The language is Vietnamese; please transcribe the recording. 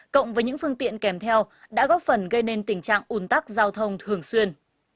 cộng với những phương tiện kèm theo đã góp phần gây nên tình trạng ủn tắc giao thông thường xuyên